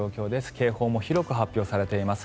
警報も広く発表されています。